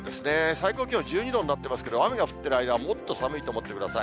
最高気温１２度になってますけど、雨が降ってる間は、もっと寒いと思ってください。